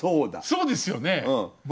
そうですよね。